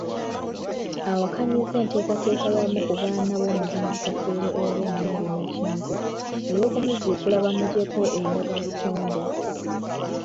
Awakanyizza enteekateeka y'abamu ku baana b'omugenzi Kafeero eyali omuyimbi nnakinku, ey'okumuziikula bamuggyeko endagabutonde.